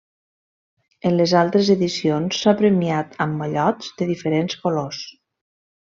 En les altres edicions s'ha premiat amb mallots de diferents colors.